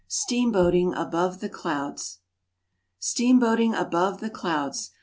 STEAMBOATING ABOVE THE CLOUDS. STEAMBOATING. above the clouds!